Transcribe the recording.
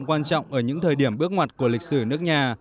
quan trọng ở những thời điểm bước ngoặt của lịch sử nước nhà